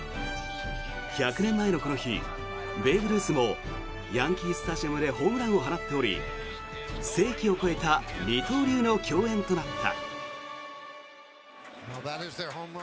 １００年前のこの日ベーブ・ルースもヤンキー・スタジアムでホームランを放っており世紀を超えた二刀流の共演となった。